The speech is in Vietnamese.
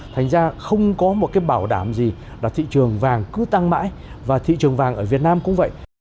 thành ra không có một cái bảo đảm gì là thị trường vàng cứ tăng mãi và thị trường vàng ở việt nam cũng vậy